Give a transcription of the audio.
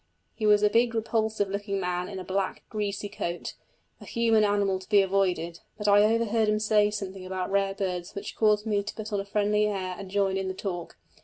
He was a big repulsive looking man in a black greasy coat a human animal to be avoided; but I overheard him say something about rare birds which caused me to put on a friendly air and join in the talk.